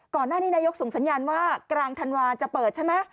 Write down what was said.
ก่อนหน้านี้นายกส่งสัญญาณว่ากลางธันวาจะเปิดใช่ไหม